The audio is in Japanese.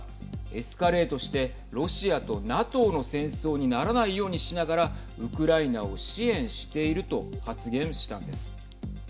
エスカレートしてロシアとＮＡＴＯの戦争にならないようにしながらウクライナを支援していると発言したんです。